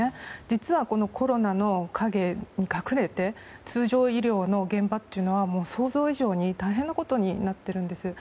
実はこのコロナの陰に隠れて通常医療の現場というのは想像以上に大変なことになっているんです。